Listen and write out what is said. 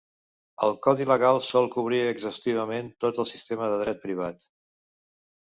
El Codi legal sol cobrir exhaustivament tot el sistema de dret privat.